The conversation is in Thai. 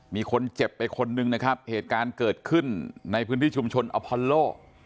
มีคนเจ็บไปคนนึงนะครับเหตุการณ์เกิดขึ้นในพื้นที่ชุมชนอพอลโล